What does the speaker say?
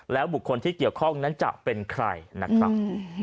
บุคคลที่เกี่ยวข้องนั้นจะเป็นใครนะครับ